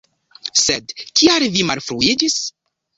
Sed kial vi malfruiĝis?